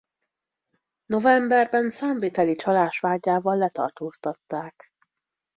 Novemberben számviteli csalás vádjával letartóztatták.